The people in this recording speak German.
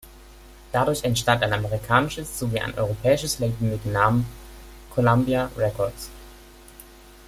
Dadurch entstand ein amerikanisches sowie ein europäisches Label mit Namen "Columbia Records".